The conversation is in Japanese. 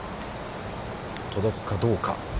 届くかどうか。